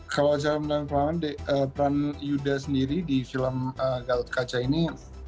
kalau cara mendalami peran yuda sendiri di film gatot kaca ini